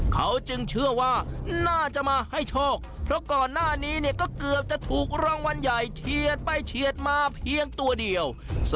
เขาจึงเชื่อว่าน่าจะมาให้โชคเพราะก่อนหน้านี้เนี่ยก็เกือบจะถูกรางวัลใหญ่เฉียดไปเฉียดมาเพียงตัวเดียว